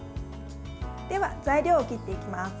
では、材料を切っていきます。